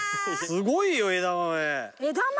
すごいよ枝豆。